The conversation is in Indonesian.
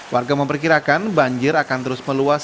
warga memperkirakan banjir akan terus meluas